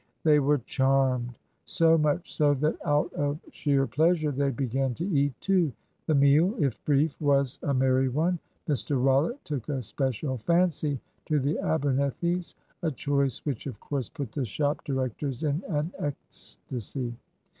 They were charmed. So much so, that out of sheer pleasure they began to eat too. The meal, if brief, was a merry one. Mr Rollitt took a special fancy to the Abernethys a choice which of course put the shop directors in an ecstasy.